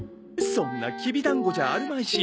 そんなきびだんごじゃあるまいしいいよ。